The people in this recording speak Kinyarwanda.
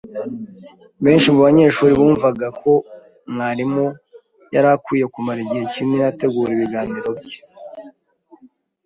Benshi mubanyeshuri bumvaga ko mwarimu yari akwiye kumara igihe kinini ategura ibiganiro bye